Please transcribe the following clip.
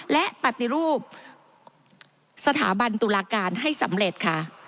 และปฏิรูปสถาบันตุลาการให้สำเร็จค่ะ